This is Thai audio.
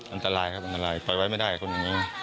อันตรายครับอันตรายปล่อยไว้ไม่ได้คนอย่างนี้